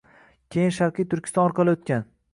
Keyin sharqiy Turkiston orqali oʻtgan.